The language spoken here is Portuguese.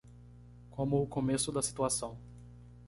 Como o começo da situação